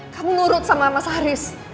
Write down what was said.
kamu nurut sama mas haris